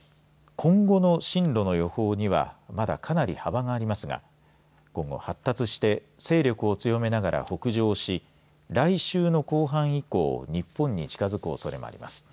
今後の進路の予報にはまだかなり幅がありますが今後、発達して勢力を強めながら北上し来週の後半以降日本に近づくおそれもあります。